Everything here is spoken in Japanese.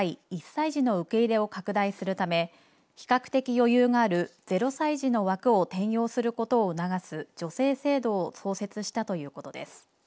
１歳児の受け入れを拡大するため比較的余裕がある０歳児の枠を転用することを促す助成制度を創設したということです。